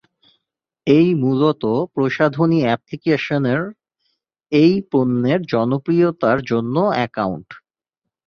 এই মূলত প্রসাধনী অ্যাপ্লিকেশনের এই পণ্যের জনপ্রিয়তার জন্য অ্যাকাউন্ট।